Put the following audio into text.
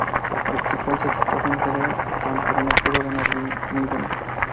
Participó en siete torneos de Grand Slam, pero no pudo ganar ninguno.